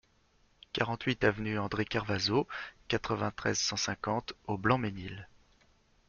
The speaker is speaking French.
quarante-huit avenue André Kervazo, quatre-vingt-treize, cent cinquante au Blanc-Mesnil